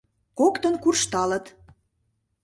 — Коктын куржталыт.